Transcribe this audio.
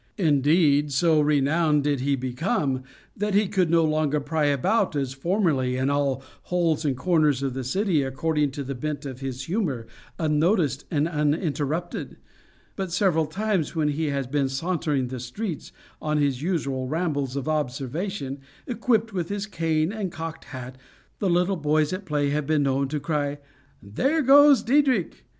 Indeed, so renowned did he become, that he could no longer pry about, as formerly, in all holes and corners of the city, according to the bent of his humor, unnoticed and uninterrupted; but several times when he has been sauntering the streets, on his usual rambles of observation, equipped with his cane and cocked hat, the little boys at play have been known to cry, "There goes Diedrich!"